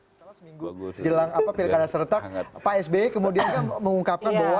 setelah seminggu bilang apa pilkada serentak pak sbi kemudian mengungkapkan bahwa